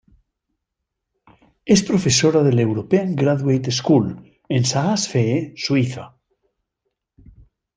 Es profesora del European Graduate School en Saas-Fee, Suiza.